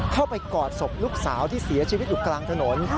กอดศพลูกสาวที่เสียชีวิตอยู่กลางถนน